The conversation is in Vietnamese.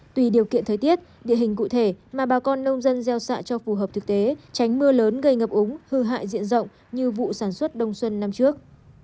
tùy điều kiện thời tiết địa hình cụ thể mà bà con nông dân gieo xạ cho phù hợp thực tế tránh mưa lớn gây ngập úng hư hại diện rộng như vụ sản xuất đông xuân năm trước